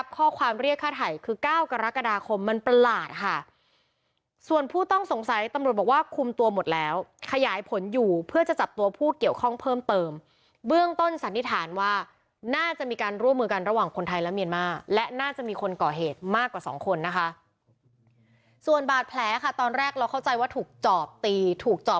ข้อความเรียกค่าไถ่คือ๙กรกฎาคมมันประหลาดค่ะส่วนผู้ต้องสงสัยตำรวจบอกว่าคุมตัวหมดแล้วขยายผลอยู่เพื่อจะจับตัวผู้เกี่ยวข้องเพิ่มเติมเบื้องต้นสันนิษฐานว่าน่าจะมีการร่วมมือกันระหว่างคนไทยและเมียนมาและน่าจะมีคนก่อเหตุมากกว่าสองคนนะคะส่วนบาดแผลค่ะตอนแรกเราเข้าใจว่าถูกจอบตีถูกจ่อ